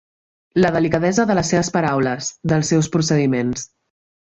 La delicadesa de les seves paraules, dels seus procediments.